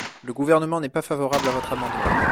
Le Gouvernement n’est pas favorable à votre amendement.